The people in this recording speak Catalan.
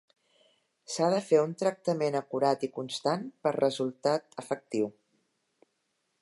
S'ha de fer un tractament acurat i constant per resultat efectiu.